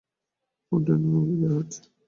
উড্ডয়নের অনুমতি দেয়া হচ্ছে।